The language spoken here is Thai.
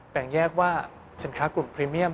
แบ่งแยกว่าสินค้ากลุ่มพรีเมียม